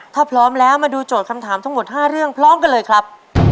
ถ้าพร้อมแล้วมาดูโจทย์คำถามทั้งหมด๕เรื่องพร้อมกันเลยครับ